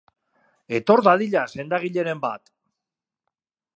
Etor dadila sendagileren bat!